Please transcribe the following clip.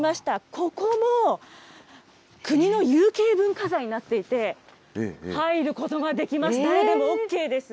ここも国の有形文化財になっていて、入ることができます、誰でもＯＫです。